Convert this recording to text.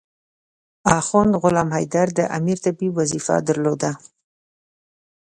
اخند غلام حیدر د امیر طبيب وظیفه درلوده.